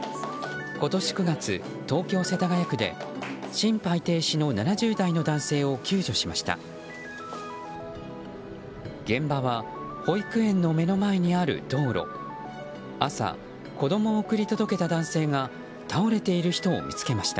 今年９月、東京・世田谷区で心肺停止の７０代の男性を救助しました。